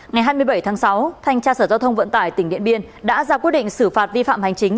ngày hai mươi bảy tháng sáu thanh tra sở giao thông vận tải tỉnh điện biên đã ra quyết định xử phạt vi phạm hành chính